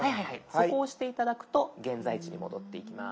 そこを押して頂くと現在地に戻っていきます。